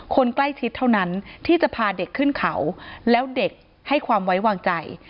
คนใกล้ชิดเท่านั้นที่จะพาเด็กขึ้นเขาแล้วเด็กให้ความไว้วางใจ